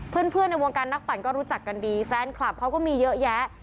เพื่อนในวงการนักปั่นก็รู้จักกันดีแฟนคลับเขาก็มีเยอะแยะ